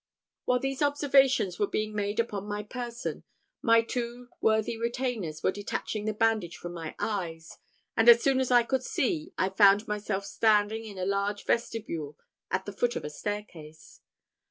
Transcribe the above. While these observations were being made upon my person, my two worthy retainers were detaching the bandage from my eyes; and as soon as I could see, I found myself standing in a large vestibule at the foot of a staircase.